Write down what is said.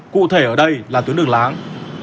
cụ thể ở đây là tuyến đường láng